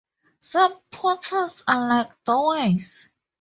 Some portals are like doorways.